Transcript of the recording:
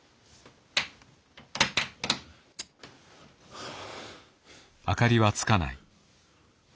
はあ。